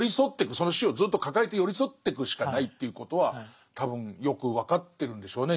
その死をずっと抱えて寄り添ってくしかないということは多分よく分かってるんでしょうね